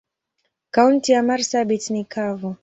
Kaunti ya marsabit ni kavu.